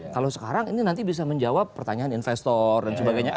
kalau sekarang ini nanti bisa menjawab pertanyaan investor dan sebagainya